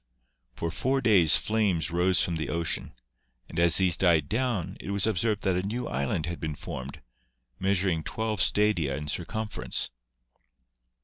For four days flames rose from the ocean, and as these died down it was observed that a new island had been formed, measuring twelve stadia in circumference.